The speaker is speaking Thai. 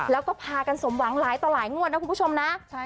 แล้วก็พากันสมหวังหลายต่อหลายงวดนะคุณผู้ชมนะ